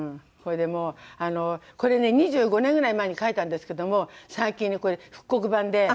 これでもうこれね２５年ぐらい前に書いたんですけども最近ねこれ復刻版で。